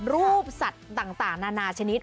รูปสัตว์ต่างนานาชนิด